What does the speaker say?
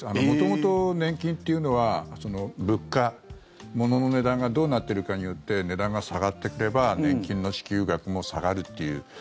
元々、年金というのは物価、物の値段がどうなってるかによって値段が下がってくれば年金の支給額も下がるという。